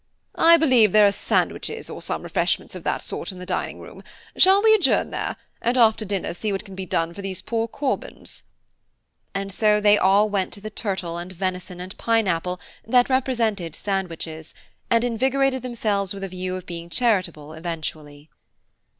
I believe there are sandwiches or some refreshments of that sort in the dining room; shall we adjourn there, and after dinner see what can be done for these poor Corbans?" And so they all went to the turtle, and venison, and pine apple, that represented sandwiches, and invigorated themselves with a view of being charitable eventually.